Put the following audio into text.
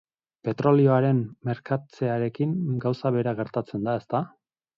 Petrolioaren merkatzearekin gauza bera gertatzen da, ezta?